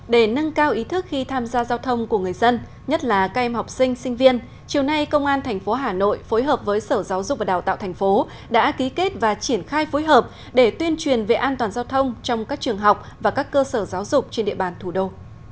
để nâng cao ý thức khi tham gia giao thông của người dân nhất là các em học sinh sinh viên chiều nay công an tp hà nội phối hợp với sở giáo dục và đào tạo thành phố đã ký kết và triển khai phối hợp để tuyên truyền về an toàn giao thông trong các trường học và các cơ sở giáo dục trên địa bàn thủ đô